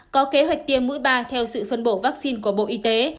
có kế hoạch tiêm mũi ba theo sự phân bổ vaccine của bộ y tế